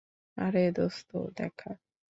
আরে দোস্ত দেখা।